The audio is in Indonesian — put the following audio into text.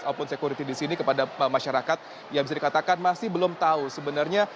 ataupun security di sini kepada masyarakat yang bisa dikatakan masih belum tahu sebenarnya